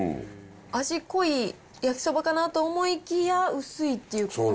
味濃い焼きそばかなと思いきや、薄いっていう。